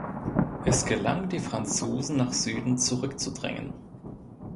Es gelang, die Franzosen nach Süden zurückzudrängen.